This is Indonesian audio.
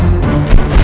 kau tidak tahu siapa aku